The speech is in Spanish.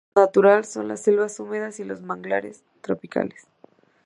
Su hábitat natural son las selvas húmedas y los manglares tropicales.